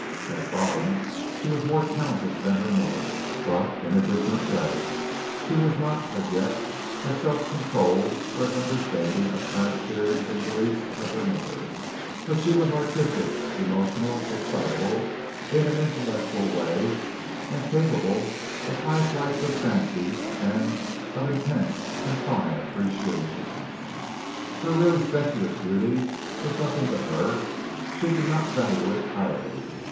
At bottom she was more talented than her mother, but in a different way. She was not, as yet, as self controlled, or as understanding of current theories and beliefs as her mother, but she was artistic, emotional, excitable, in an intellectual way, and capable of high flights of fancy and of intense and fine appreciations. Her really sensuous beauty was nothing to her. She did not value it highly.